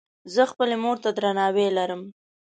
زۀ خپلې مور ته درناوی لرم.